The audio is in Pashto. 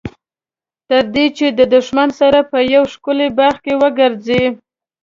تر دې چې د دښمن سره په یوه ښکلي باغ کې وګرځي.